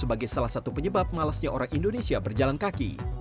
sebagai salah satu penyebab malasnya orang indonesia berjalan kaki